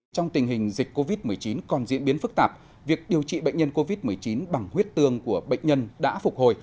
trong tình hình dịch covid một mươi chín còn diễn biến phức tạp việc điều trị bệnh nhân covid một mươi chín bằng huyết tương của bệnh nhân đã phục hồi